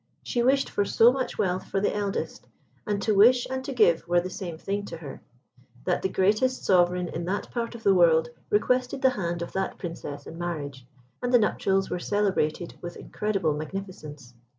She wished for so much wealth for the eldest and to wish and to give were the same thing to her, that the greatest Sovereign in that part of the world requested the hand of that Princess in marriage, and the nuptials were celebrated with incredible magnificence.